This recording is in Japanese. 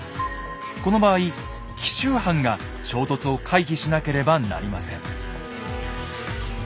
この場合紀州藩が衝突を回避しなければなりません。